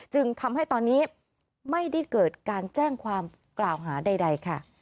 จึงทำให้ตอนนี้ไม่ได้เกิดการแจ้งความกล่าวหาใดค่ะ